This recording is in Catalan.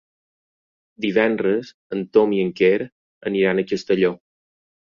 Divendres en Tom i en Quer aniran a Castelló.